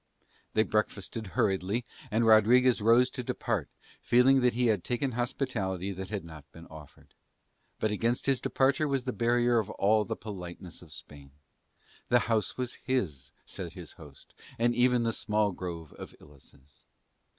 They breakfasted hurriedly and Rodriguez rose to depart, feeling that he had taken hospitality that had not been offered. But against his departure was the barrier of all the politeness of Spain. The house was his, said his host, and even the small grove of ilices.